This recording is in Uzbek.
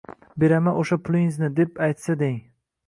beraman o‘sha pulizni deb aytsa deng.